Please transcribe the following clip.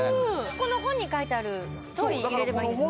この本に書いてあるとおり入れればいいんですね